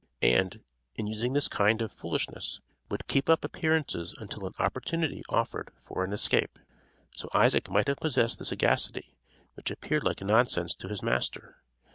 And, in using this kind of foolishness, would keep up appearances until an opportunity offered for an escape. So Isaac might have possessed this sagacity, which appeared like nonsense to his master.